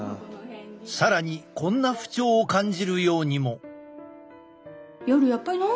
更にこんな不調を感じるようにも。